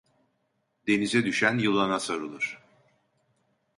Denize düşen yılana sarılır.